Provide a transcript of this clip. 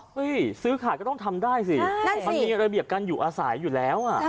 ซื้อขาดก็ต้องทำได้สิมันมีระเบียบการอยู่อาศัยอยู่แล้ว